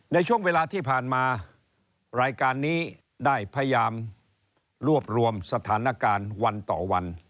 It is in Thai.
ในช่วงเวลาที่ผ่านมารายการนี้ได้พยายามรวบรวมสถานการณ์วันต่อวัน